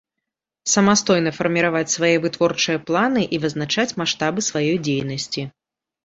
Самастойна фармiраваць свае вытворчыя планы i вызначаць маштабы сваёй дзейнасцi.